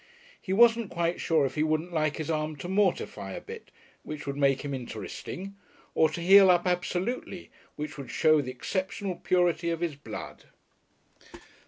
He wasn't quite sure if he wouldn't like his arm to mortify a bit, which would make him interesting, or to heal up absolutely, which would show the exceptional purity of his blood.